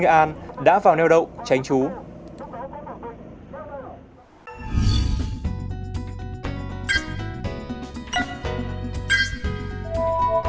cảm ơn các bạn đã theo dõi và hẹn gặp lại